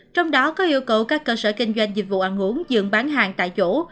trong đó có yêu cầu các cơ sở kinh doanh dịch vụ ăn uống dừng bán hàng tại chỗ